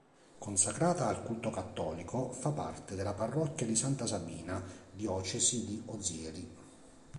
Consacrata al culto cattolico fa parte della parrocchia di Santa Sabina, diocesi di Ozieri.